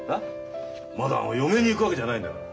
まだ嫁に行くわけじゃないんだから。